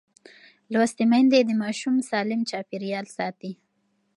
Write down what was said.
لوستې میندې د ماشوم سالم چاپېریال ساتي.